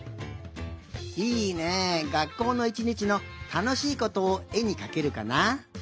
いいねがっこうのいちにちのたのしいことをえにかけるかな？